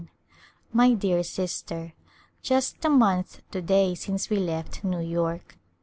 My dear Sister : Just a month to day since we left New York.